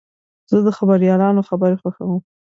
زه د خبریالانو خبرې خوښوم.